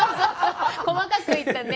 細かくいったね。